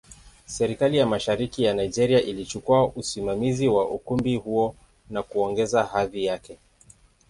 Serikali ya Mashariki ya Nigeria ilichukua usimamizi wa ukumbi huo na kuongeza hadhi yake.